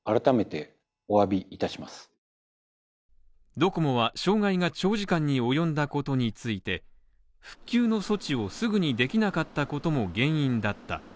ドコモは障害が長時間に及んだことについて、復旧の措置をすぐにできなかったことも原因だった。